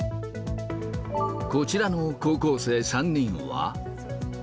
こちらの高校生３人は。